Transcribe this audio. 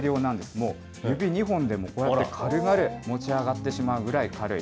もう指２本でも、こうやって軽々持ち上がってしまうくらい軽い。